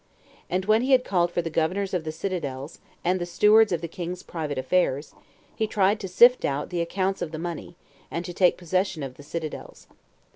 And when he had called for the governors of the citadels, and the stewards [of the king's private affairs], he tried to sift out the accounts of the money, and to take possession of the citadels.